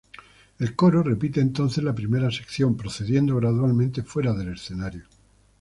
El coro repite entonces la primera sección, procediendo gradualmente fuera del escenario.